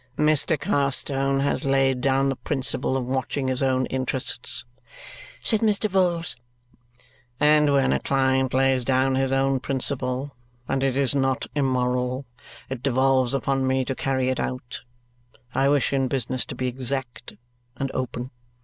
"Mr. Carstone has laid down the principle of watching his own interests," said Mr. Vholes, "and when a client lays down his own principle, and it is not immoral, it devolves upon me to carry it out. I wish in business to be exact and open.